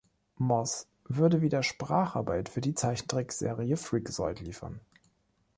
Moss würde wieder Spracharbeit für die Zeichentrickserie Freakazoid liefern !